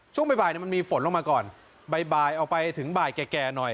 ช่วงบ่ายบ่ายเนี้ยมันมีฝนลงมาก่อนบ่ายบ่ายเอาไปถึงบ่ายแก่แก่หน่อย